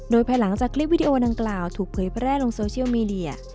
โดยภายหลังจากคลิปวิดีโอดังกล่าวถูกเผยแพร่ลงโซเชียลมีเดีย